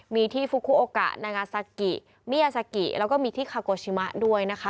มีที่ฟุคุโอกะนางาซากิมิยาซากิแล้วก็มีที่คาโกชิมะด้วยนะคะ